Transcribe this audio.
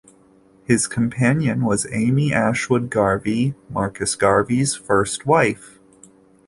His companion was Amy Ashwood Garvey, Marcus Garvey's first wife.